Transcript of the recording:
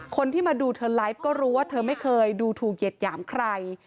คนที่มาดูเธอไลฟ์ก็รู้ว่าเธอไม่เคยดูถูกเหยียดหยามใคร